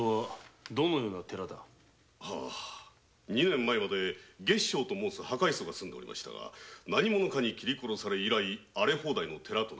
２年前まで月照と申す破戒僧が住んでおりましたが何者かに切り殺され以来荒れ寺で。